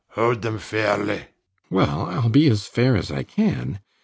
Hold them fairly. RIDGEON. Well, I'll be as fair as I can.